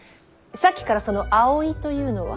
さっきからその葵というのは。